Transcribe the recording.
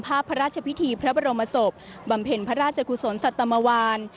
พระราชพิธีพระบรมศพบำเพ็ญพระราชกุศลสัตมวาน